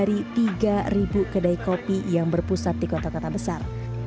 di indonesia setidaknya ada lebih dari tiga ribu kedai kopi yang berpusat di kota kota besar